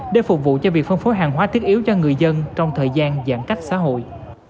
để phục vụ cho việc phân phối hàng hóa thiết yếu cho người dân trong thời gian giãn cách xã hội